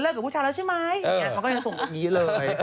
เลิกกับผู้ชายแล้วใช่ไหมมันก็ยังส่งแบบนี้เลย